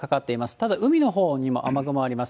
ただ海の方にも雨雲あります。